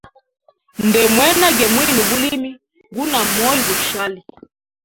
Ndemwena ge mwine u bulimi, guna moyo gushali.